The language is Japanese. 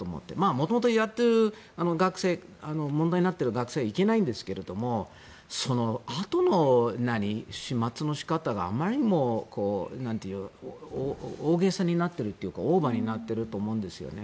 元々、やっている学生問題になっている学生がいけないんですけどそのあとの始末の仕方があまりにも大げさになっているというかオーバーになっていると思うんですよね。